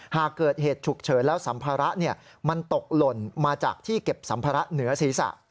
หากเกิดเหตุฉุกเฉินแล้วสัมภาระมันตกหล่นมาจากที่เก็บสัมภาระเหนือศีรษะ